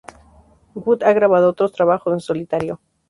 Wood ha grabado otros trabajos en solitario.